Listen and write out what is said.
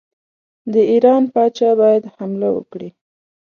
د ایران پاچا باید حمله وکړي.